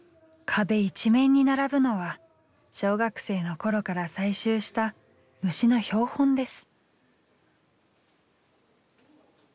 壁一面に並ぶのは小学生の頃から採集した虫の標本です。